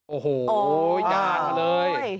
โอ้วอย่านเลย